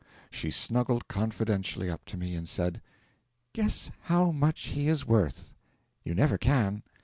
She snuggled confidentially up to me and said: 'Guess how much he is worth you never can!'